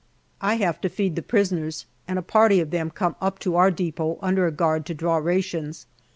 I have to feed the prisoners, and a party of them come up to our depot under a guard to draw rations.